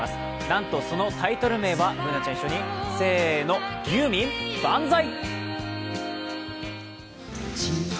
なんと、そのタイトル名はＢｏｏｎａちゃん、一緒にせーの、「ユーミン万歳！」